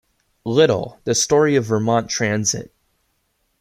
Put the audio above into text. Little, The Story of Vermont Transit.